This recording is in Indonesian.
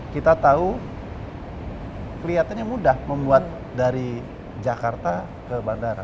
kita tahu kelihatannya mudah membuat dari jakarta ke bandara